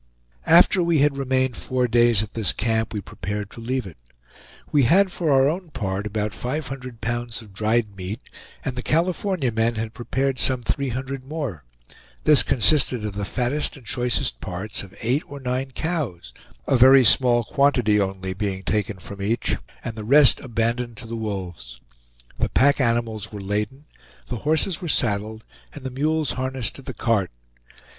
After we had remained four days at this camp we prepared to leave it. We had for our own part about five hundred pounds of dried meat, and the California men had prepared some three hundred more; this consisted of the fattest and choicest parts of eight or nine cows, a very small quantity only being taken from each, and the rest abandoned to the wolves. The pack animals were laden, the horses were saddled, and the mules harnessed to the cart.